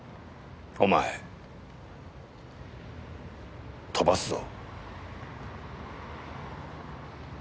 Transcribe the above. お前飛ばすぞ。